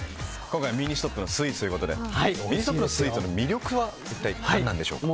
今回、ミニストップのスイーツということでミニストップのスイーツの魅力は一体何なんでしょうか。